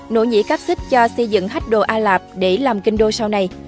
nỗ nhĩ cáp xích cho xây dựng hách đồ a lạp để làm kinh đô sau này